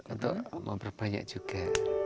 untuk memperbanyak juga